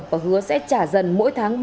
và hứa sẽ trả dần mỗi tháng